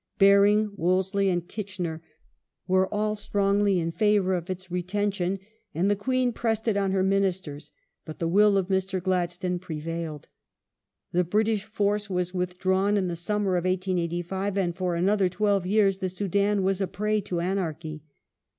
Baring, Soudan Wolseley, and Kitchener were all strongly in favour of its retention, and the Queen pressed it on her Ministers, but the will of Mr. Gladstone prevailed. The British force was withdrawn in the summer of 1885, and for another twelve years the Soudan was a prey to anarchy.